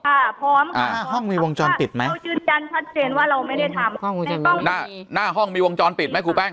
ค่ะพร้อมค่ะอ่าห้องมีวงจรปิดไหมก็ยืนยันชัดเจนว่าเราไม่ได้ทำห้องมีวงจรปิดไหมครูแป้ง